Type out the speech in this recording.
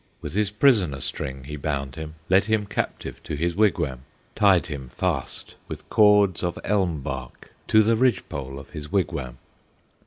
With his prisoner string he bound him, Led him captive to his wigwam, Tied him fast with cords of elm bark To the ridge pole of his wigwam.